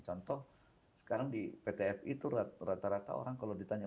contoh sekarang di pt fi itu rata rata orang kalau ditanya